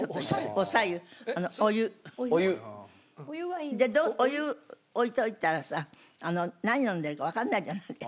お湯置いといたらさ何飲んでるかわかんないじゃないですか。